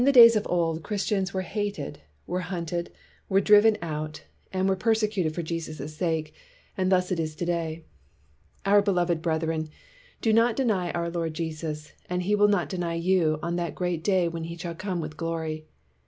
In days of old, Christians were hated, were hunted, were driven out, and were persecuted for Jesus' sake; and thus it is to day. "Our beloved brethren, do not deny our Lord Jesus, and he will not deny you on that great day when he shall come with glory.